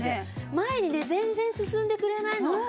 前にね全然進んでくれないの。